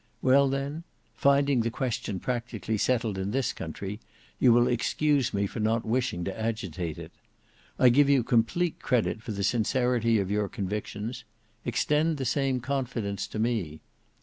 Well then, finding the question practically settled in this country, you will excuse me for not wishing to agitate it. I give you complete credit for the sincerity of your convictions; extend the same confidence to me.